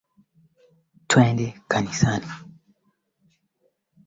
lakisita na hamsini walikufa lakini mwishoni kaskazini ilishinda